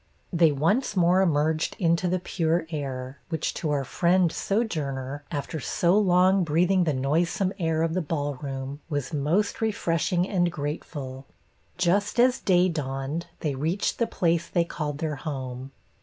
They once more emerged into the pure air, which to our friend Sojourner, after so long breathing the noisome air of the ball room, was most refreshing and grateful. Just as day dawned, they reached the place they called their home.